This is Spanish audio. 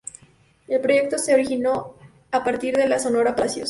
El proyecto se originó a partir de la Sonora Palacios.